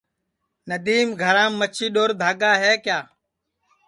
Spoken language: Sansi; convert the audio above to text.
ندیم گھرام مچھی ڈؔور دھاگا ہے کیا